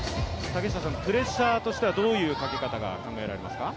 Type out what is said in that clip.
プレッシャーとしてはどういうかけ方が考えられますか？